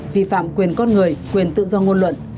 vi phạm quyền con người quyền tự do ngôn luận